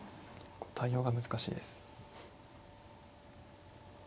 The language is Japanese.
対応が難しいです。